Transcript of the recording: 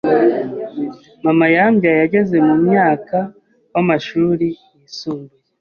Mama yambyaye ageze mu mwaka w’amashuri yisumbuye,